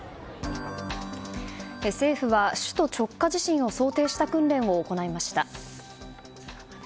政府は首都直下地震を想定した訓練を行いました。